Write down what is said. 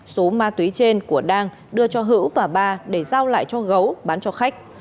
số ma túy trên của đang đưa cho hữu và ba để giao lại cho gấu bán cho khách